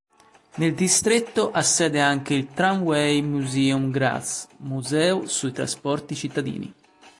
Nel distretto ha sede anche il Tramway Museum Graz, museo sui trasporti cittadini.